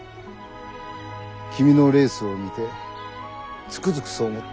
君のレースを見てつくづくそう思った。